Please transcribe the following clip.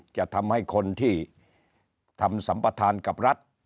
จะทำให้คนที่ทำสัมปทานกับรัฐ